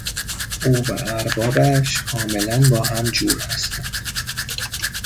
او و اربابش کاملا با هم جور هستند.